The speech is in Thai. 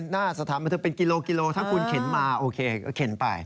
หน้าสถานบันเทิงเป็นกิโลกิโลถ้าคุณเข็นมาโอเคก็เข็นไป